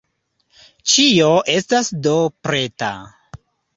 Ĉio estas do preta.